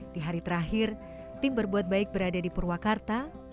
di hari terakhir tim berbuat baik berada di purwakarta